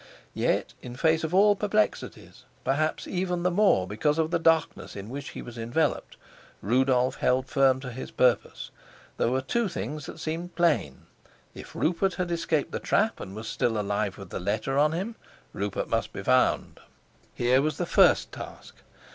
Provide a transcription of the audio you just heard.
Yet, in face of all perplexities, perhaps even the more because of the darkness in which he was enveloped, Rudolf held firm to his purpose. There were two things that seemed plain. If Rupert had escaped the trap and was still alive with the letter on him, Rupert must be found; here was the first task.